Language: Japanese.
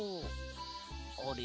あれ？